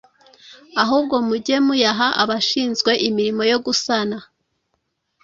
ahubwo mujye muyaha abashinzwe imirimo yo gusana